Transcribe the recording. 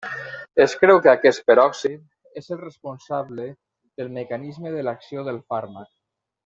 Es creu que aquest peròxid és el responsable pel mecanisme de l'acció del fàrmac.